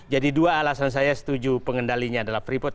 jadi dua alasan saya setuju pengendalinya adalah free forth